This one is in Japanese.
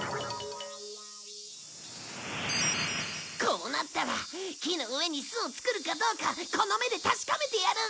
こうなったら木の上に巣を作るかどうかこの目で確かめてやる！